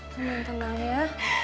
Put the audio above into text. semangat tenang ya